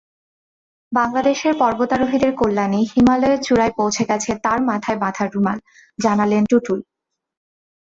বাংলাদেশের পর্বতারোহীদের কল্যাণে হিমালয়ের চূড়ায় পৌঁছে গেছে তাঁর মাথায় বাঁধা রুমাল—জানালেন টুটুল।